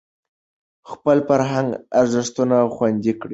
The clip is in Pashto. خپل فرهنګي ارزښتونه خوندي کړئ.